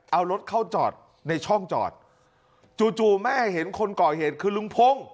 เอารถเข้าจอดในช่องจอดจู่จู่แม่เห็นคนก่อเหตุคือลุงพงศ์